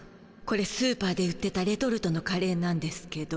これスーパーで売ってたレトルトのカレーなんですけど。